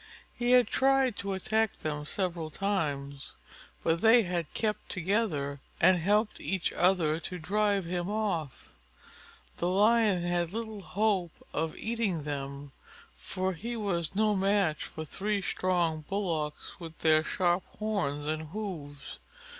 He had tried to attack them several times, but they had kept together, and helped each other to drive him off. The Lion had little hope of eating them, for he was no match for three strong Bullocks with their sharp horns and hoofs.